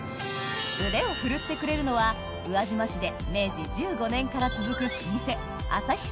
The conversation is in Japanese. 腕を振るってくれるのは宇和島市で明治１５年から続く老舗旭